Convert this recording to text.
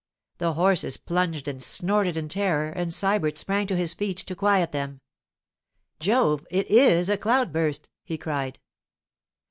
The horses plunged and snorted in terror, and Sybert sprang to his feet to quiet them. 'Jove! It is a cloudburst,' he cried.